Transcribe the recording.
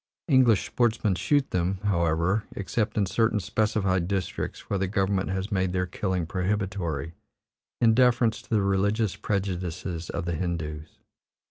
English sportsmen shoot them, however, except in certain specified districts where the government has made their killing prohibitory, in deference to the religious prejudices of the Hindoos.